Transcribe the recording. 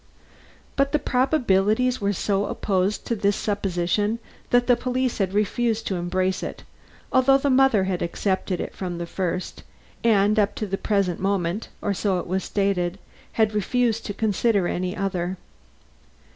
But the probabilities were so opposed to this supposition, that the police had refused to embrace it, although the mother had accepted it from the first, and up to the present moment, or so it was stated, had refused to consider any other.